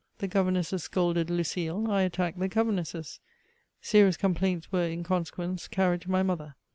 The governesses scolded Lucile; I attacked the governesses. Serious complaints were, in consequence, carried to my mother.